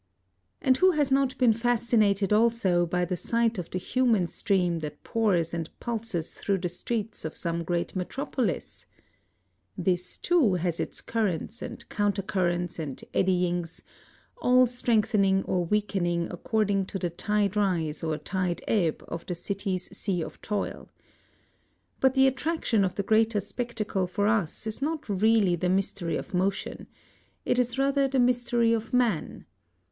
And who has not been fascinated also by the sight of the human stream that pours and pulses through the streets of some great metropolis? This, too, has its currents and counter currents and eddyings, all strengthening or weakening according to the tide rise or tide ebb of the city's sea of toil. But the attraction of the greater spectacle for us is not really the mystery of motion: it is rather the mystery of man.